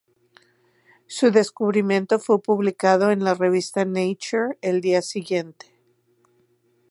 Su descubrimiento fue publicado en la revista Nature el día siguiente.